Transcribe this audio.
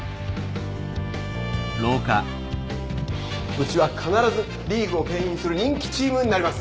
うちは必ずリーグをけん引する人気チームになります。